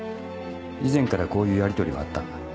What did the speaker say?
以前からこういうやりとりはあったんだ。